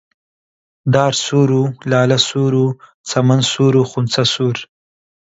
دار سوور و لالە سوور و چەمەن سوور و خونچە سوور